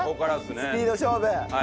スピード勝負。